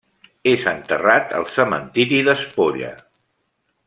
És enterrat al cementiri d'Espolla.